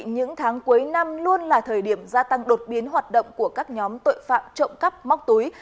những tháng cuối năm luôn là thời điểm gia tăng đột biến hoạt động của các nhóm tội phạm trộm cắp móc túi